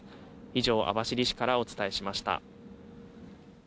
以上、網走市からお伝えしました。